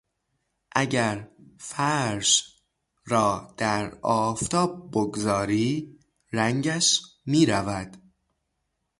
اگر فرش را در آفتاب بگذاری رنگش میرود.